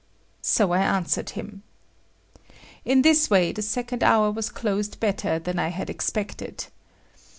So I answered him. In this way the second hour was closed better than I had expected.